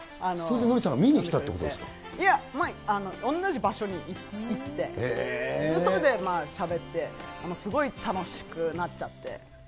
それでノリさんが見にきたっいや、同じ場所に行って、それでしゃべって、すごい楽しくなっちゃって。